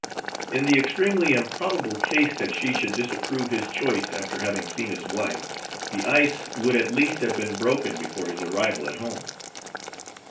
In the extremely improbable case that she should disapprove his choice after having seen his wife, the ice would at least have been broken before his arrival at home.